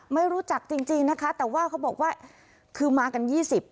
ไม่รู้จักจริงจริงนะคะแต่ว่าเขาบอกว่าคือมากันยี่สิบ